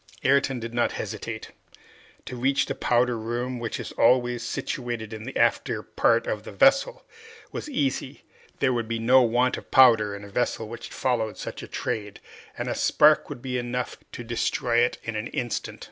Ayrton did not hesitate. To reach the powder room, which is always situated in the after part of a vessel, was easy. There would be no want of powder in a vessel which followed such a trade, and a spark would be enough to destroy it in an instant.